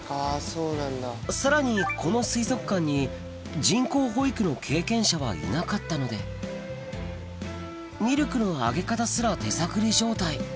さらにこの水族館に人工ほ育の経験者はいなかったのでミルクのあげ方すら手探り状態